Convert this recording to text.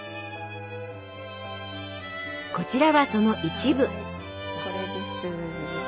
こちらはその一部。